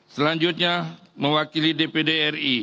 selanjutnya mewakili dpdri